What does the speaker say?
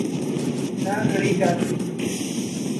نہ گھڑی جاتیں۔